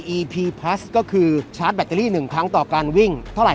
อีพีพลัสก็คือชาร์จแบตเตอรี่๑ครั้งต่อการวิ่งเท่าไห